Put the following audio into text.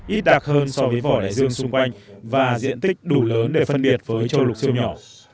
ít đặc hơn so với vỏ đại dương xung quanh và diện tích đủ lớn để phân biệt với châu lục siêu nhỏ